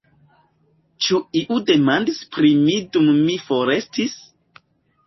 Ĉu iu demandis pri mi dum mi forestis?